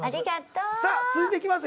さあ続いていきますよ